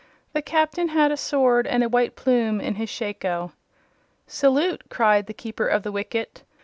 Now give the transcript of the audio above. The Captain had a sword and a white plume in his shako. "Salute!" called the Keeper of the Wicket.